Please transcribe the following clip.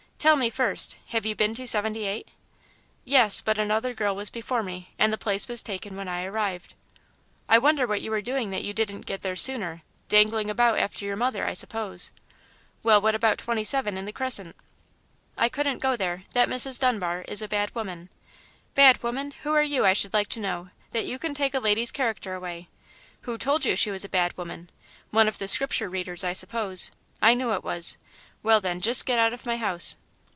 Tell me, first, have you been to 78?" "Yes, but another girl was before me, and the place was taken when I arrived." "I wonder what you were doing that you didn't get there sooner; dangling about after your mother, I suppose! Well, what about 27 in the Crescent?" "I couldn't go there that Mrs. Dunbar is a bad woman." "Bad woman! Who are you, I should like to know, that you can take a lady's character away? Who told you she was a bad woman? One of the Scripture readers, I suppose! I knew it was. Well, then, just get out of my house."